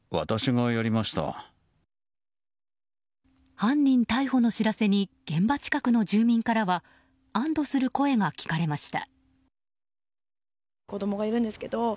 犯人逮捕の知らせに現場近くの住民からは安堵する声が聞かれました。